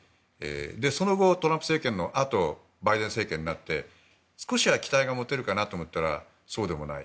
その後、トランプ政権のあとバイデン政権になって少しは期待が持てるかなと思ったら、そうでもない。